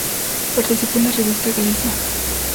Participó en la revista "Galicia".